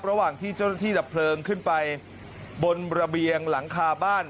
ระหว่างที่เจ้าหน้าที่ดับเพลิงขึ้นไปบนระเบียงหลังคาบ้าน